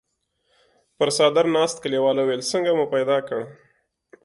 پر څادر ناست کليوال وويل: څنګه مو پيدا کړ؟